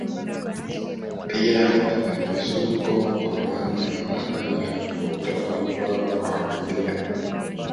Pia Vakizungo kwa maana ya Wahaya kutoka mkoa wa Kagera